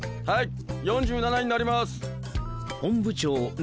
はい！